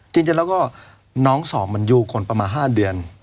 จริงจริงแล้วก็น้องสองมันอยู่ก่อนประมาห่าเดือน